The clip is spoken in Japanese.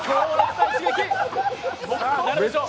さあ誰でしょう。